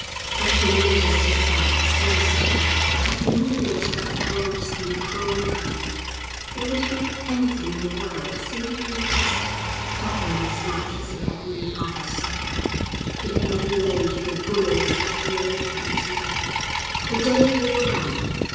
A tremendous desire seized him to humiliate that gross and cruel man; he would give anything in the world to see him in the dust, suffering as much as he had made others suffer. He had never loathed the bully with such loathing as now. The day wore on.